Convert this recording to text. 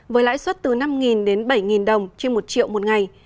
với lãi suất từ năm đến bảy đồng trên một triệu một ngày